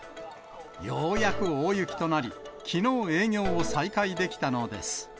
ようやく大雪となり、きのう、営業を再開できたのです。